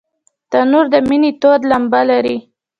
تنور د مینې تود لمبه لري